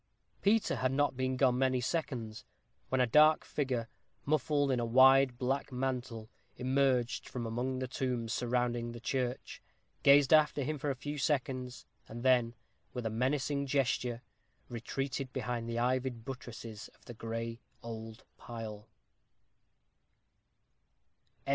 Peter had not been gone many seconds, when a dark figure, muffled in a wide black mantle, emerged from among the tombs surrounding the church; gazed after him for a few seconds, and then, with a menacing gesture, retreated behind the ivied buttresses of the gray old pile.